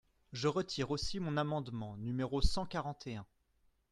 Je retire aussi mon amendement numéro cent quarante et un.